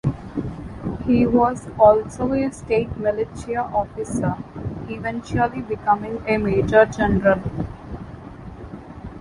He was also a State militia officer, eventually becoming a major general.